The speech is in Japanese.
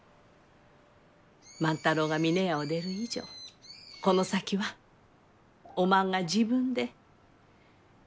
万太郎が峰屋を出る以上この先はおまんが自分で決めたらえい。